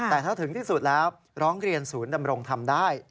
แต่ถ้าถึงที่สุดแล้วร้องเรียนศูนย์ดำรงธรรมได้